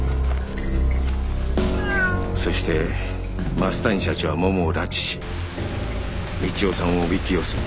そして増谷社長はモモを拉致し道夫さんをおびき寄せ。